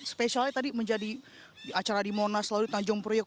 spesialnya tadi menjadi acara di monas selalu di tanjung puryok